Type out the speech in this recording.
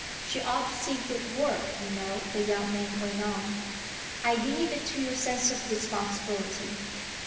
"She ought to see good work, you know," the young man went on. "I leave it to your sense of responsibility."